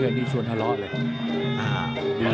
อันนี้ชวนทะเลาะเลย